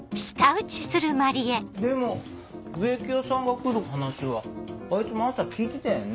でも植木屋さんが来る話はあいつも朝聞いてたよね？